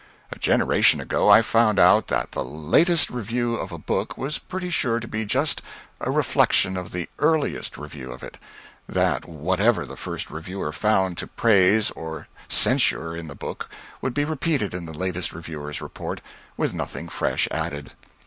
A generation ago, I found out that the latest review of a book was pretty sure to be just a reflection of the earliest review of it; that whatever the first reviewer found to praise or censure in the book would be repeated in the latest reviewer's report, with nothing fresh added.